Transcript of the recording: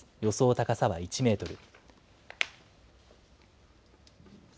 高さは１メートル。